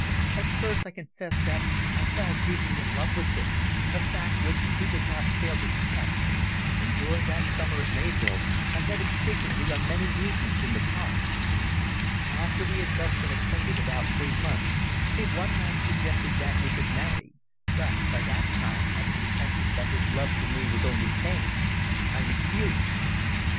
At first I confess that I fell deeply in love with him, a fact which he did not fail to detect, and during that summer at Mayvill I met him secretly on many evenings in the park. After we had thus been acquainted about three months, he one night suggested that we should marry, but by that time, having detected that his love for me was only feigned, I refused.